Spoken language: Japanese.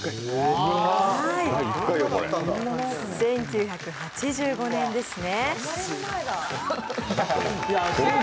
１９８５年ですね。